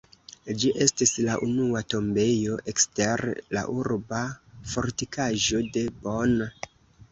Ĝi estis la unua tombejo ekster la urba fortikaĵo de Bonn.